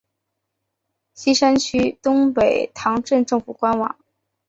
锡山区东北塘镇政府网站